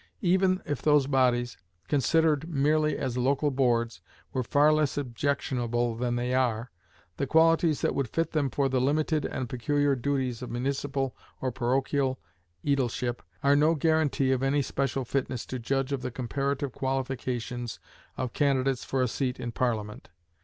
Even if those bodies, considered merely as local boards, were far less objectionable than they are, the qualities that would fit them for the limited and peculiar duties of municipal or parochial ædileship are no guaranty of any special fitness to judge of the comparative qualifications of candidates for a seat in Parliament.